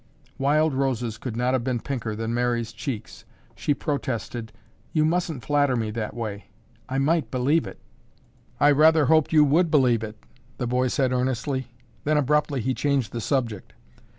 Wild roses could not have been pinker than Mary's cheeks. She protested, "You mustn't flatter me that way. I might believe it." "I rather hoped you would believe it," the boy said earnestly, then abruptly he changed the subject.